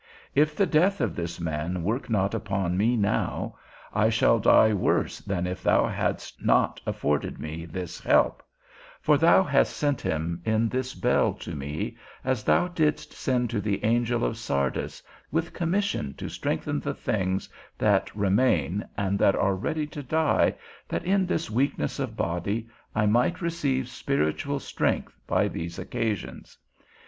If the death of this man work not upon me now, I shall die worse than if thou hadst not afforded me this help; for thou hast sent him in this bell to me, as thou didst send to the angel of Sardis, with commission to strengthen the things that remain, and that are ready to die, that in this weakness of body I might receive spiritual strength by these occasions.